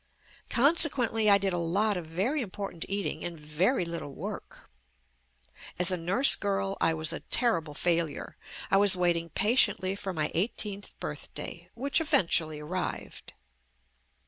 Consequently, I did a lot of very important eating and very lit tle work. As a nursegirl I was a terrible fail ure. I was waiting patiently for my eight eenth birthday, which eventually arrived.